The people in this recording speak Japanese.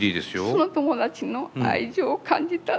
その友達の愛情を感じたんですね。